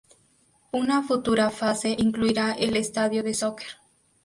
Una futura fase incluirá el estadio de soccer.